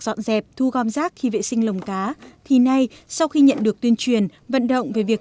dọn dẹp thu gom rác khi vệ sinh lồng cá thì nay sau khi nhận được tuyên truyền vận động về việc